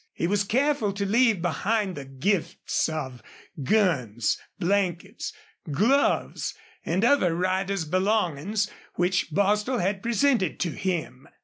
He was careful to leave behind the gifts of guns, blankets, gloves, and other rider's belongings which Bostil had presented to him.